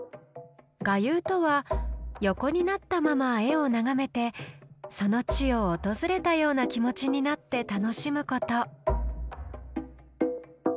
「臥遊」とは横になったまま絵を眺めてその地を訪れたような気持ちになって楽しむこと。